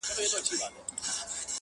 ما ورکتل چي د مرګي پياله یې ونوشله-